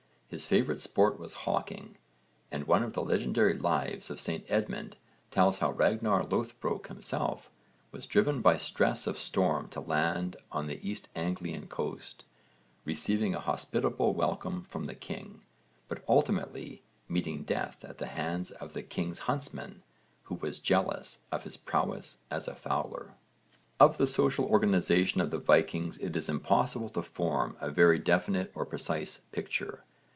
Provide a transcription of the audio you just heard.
His favourite sport was hawking, and one of the legendary lives of St Edmund tells how Ragnarr Loðbrók himself was driven by stress of storm to land on the East Anglian coast, receiving a hospitable welcome from the king, but ultimately meeting death at the hands of the king's huntsman who was jealous of his prowess as a fowler. Of the social organisation of the Vikings it is impossible to form a very definite or precise picture.